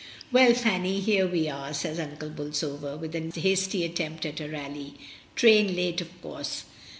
"Well, Fanny, here we are," says Uncle Bolsover, with a hasty attempt at a rally. "Train late, of course.